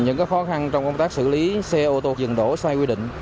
những khó khăn trong công tác xử lý xe ô tô dừng đổ sai quy định